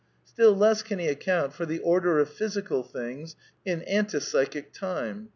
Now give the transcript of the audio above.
Still less can he account ^ 1— for the order of physical things in ante psychic time.